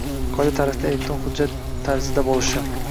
qoida tariqasida, elektron hujjat tarzida bo‘lishi